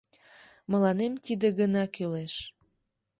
Мыланем тиде гына кӱлеш.